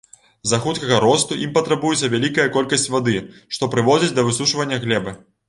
З-за хуткага росту ім патрабуецца вялікая колькасць вады, што прыводзіць да высушвання глебы.